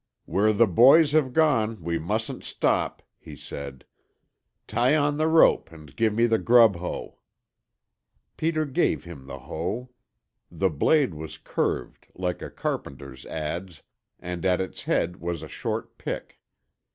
"Where the boys have gone we mustn't stop," he said. "Tie on the rope and give me the grub hoe." Peter gave him the hoe. The blade was curved, like a carpenter's adze, and at its head was a short pick.